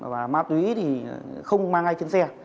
và ma túy thì không mang ai trên xe